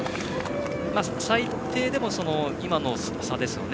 最低でも今の差ですよね。